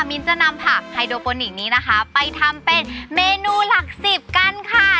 มิ้นจะนำผักไฮโดโปนิกนี้นะคะไปทำเป็นเมนูหลักสิบกันค่ะ